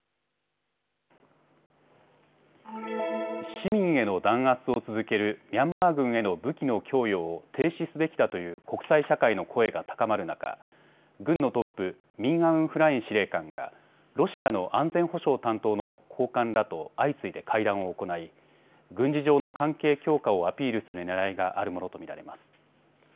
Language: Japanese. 市民への弾圧を続けるミャンマー軍への武器の供与を停止すべきだという国際社会の声が高まる中、軍のトップ、ミン・アウン・フライン司令官がロシアの安全保障担当の高官らと相次いで会談を行い軍事上の関係強化をアピールするねらいがあるものと見られます。